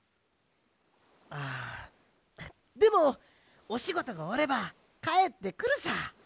ああでもおしごとがおわればかえってくるさ！